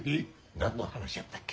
何の話やったっけ？